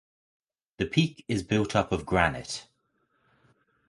The peak is built up of granite.